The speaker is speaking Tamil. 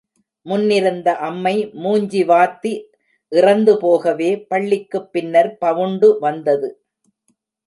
முன்னிருந்த அம்மை மூஞ்சி வாத்தி இறந்து போகவே, பள்ளிக்குப் பின்னர், பவுண்டு வந்தது.